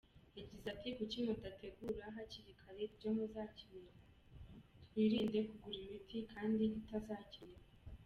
Yagize ati “Kuki mudategura hakiri kare ibyo muzakenera ? Twirinde kugura imiti kandi itazakenerwa.